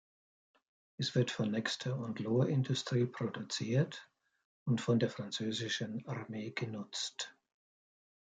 Es wird von Nexter und Lohr Industrie produziert und von der französischen Armee genutzt.